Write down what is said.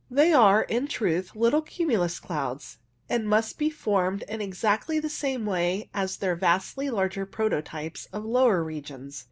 They are, in truth, little cumulus clouds, and must be formed in exactly the same way as their vastly larger prototypes of lower regions.